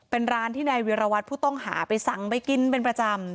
เป็นร้านที่นายวิรวัตรผู้ต้องหาไปสั่งไปกินเป็นประจำ